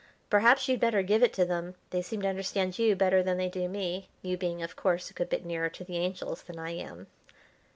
"Perhaps you'd better give it to them. They seem to understand you better than they do me you being, of course, a good bit nearer to the angels than I am."